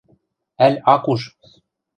Ӓль ак уж!